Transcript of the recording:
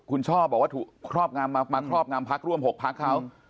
คุณชอบบอกว่ามาครอบงำพักร่วม๖พักครั้ง